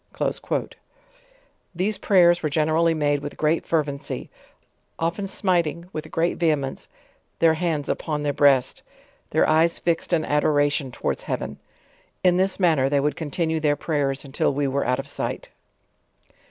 '* These prayers were generally made with great fervency, often smiting with great vehemence, their hands upon their breast, their eyes fixed in adoration towards heaven. In this manner they would continue their prayers until we were out of sight.